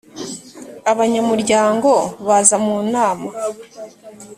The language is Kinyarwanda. abanyamuryango baza mu nama